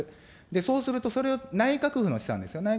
そうすると、それを内閣府の試算ですよ。